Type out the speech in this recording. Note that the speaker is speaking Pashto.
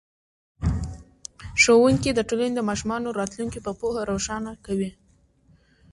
ښوونکی د ټولنې د ماشومانو راتلونکی په پوهه روښانه کوي.